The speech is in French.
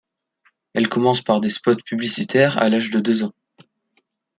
Elle commence par des spots publicitaires à l'âge de deux ans.